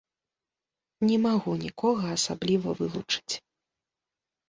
Не магу нікога асабліва вылучыць.